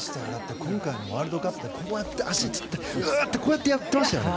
今回のワールドカップでも足つった人にうーってこうやってやってましたよね。